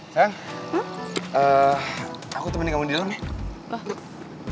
sayang aku temenin kamu di dalam ya